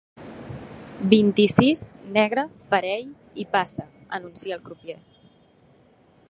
Vint-i-sis, negre, parell i passa —anuncia el crupier.